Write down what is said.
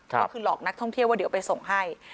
ก็คือหลอกนักท่องเที่ยวว่าเดี๋ยวไปส่งให้